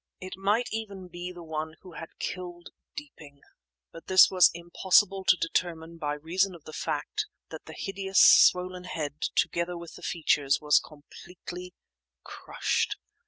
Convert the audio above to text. It might even be the one who had killed Deeping; but this was impossible to determine by reason of the fact that the hideous, swollen head, together with the features, was completely crushed.